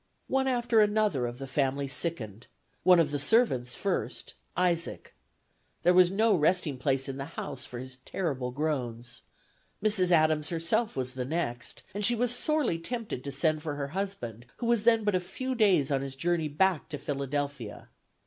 One after another of the family sickened; one of the servants first, Isaac, ("there was no resting place in the house, for his terrible groans!") Mrs. Adams herself was the next, and she was sorely tempted to send for her husband, who was then but a few days on his journey back to Philadelphia.